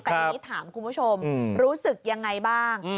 แต่ทีนี้ถามคุณผู้ชมรู้สึกยังไงบ้าง